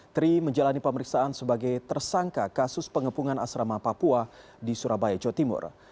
tri menjalani pemeriksaan sebagai tersangka kasus pengepungan asrama papua di surabaya jawa timur